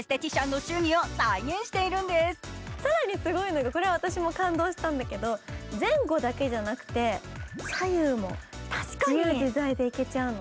更にすごいのは、これは私も感動したんだけど、前後だけじゃなくて、左右も自由自在にいけちゃうの。